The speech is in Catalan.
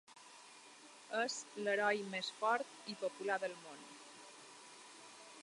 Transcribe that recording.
És l'heroi més fort i popular del món.